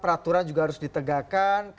aturan juga harus ditegakkan